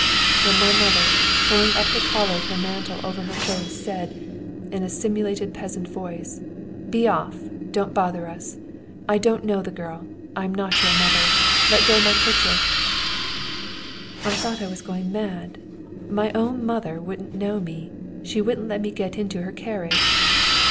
Then my mother, pulling up the collar of her mantle over her face, said, in a simulated peasant voice: 'Be off! Don't bother us! I don't know the girl. I'm not your mother. Let go my kerchief!' [Footnote 76: The tenth part of a florin.] "I thought I was going mad. My own mother wouldn't know me! She wouldn't let me get into her carriage.